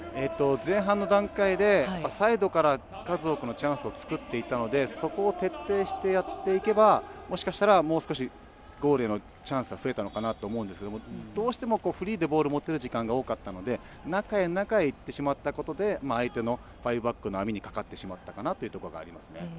前半の段階でサイドから数多くのチャンスを作っていたので、そこを徹底してやっていけばもしかしたらもう少しゴールへのチャンスは増えたのかなと思うんですがどうしてもフリーでボールを持てる時間が多かったので中へ行ってしまったところで相手のファイブバックの網にかかってしまったかなと思います。